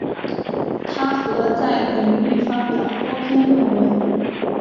她和在领域发表多篇论文。